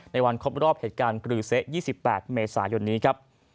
ในวันครบรอบเหตุการณ์กรือเสะ๒๘เมษายนนี้ครับ